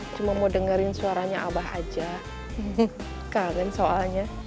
cuma mau dengerin suaranya abah aja kan soalnya